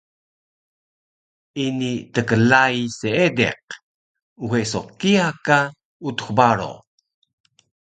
Ini tklai seediq, uxe so kiya ka Utux Baro